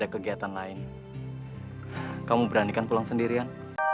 kamu beranikan pulang sendirian